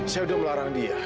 saya sudah melarang dia